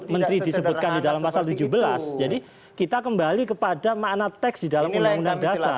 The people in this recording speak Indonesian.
menteri disebutkan di dalam pasal tujuh belas jadi kita kembali kepada makna teks di dalam undang undang dasar